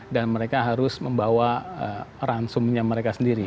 dan mereka harus membawa ransumnya mereka sendiri